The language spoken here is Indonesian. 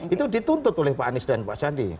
itu dituntut oleh pak anies dan pak sandi